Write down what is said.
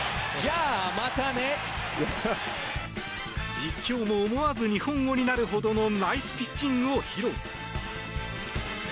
実況も思わず日本語になるほどのナイスピッチングを披露。